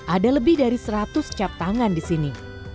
ada lebih dari seratus cap tangan di sini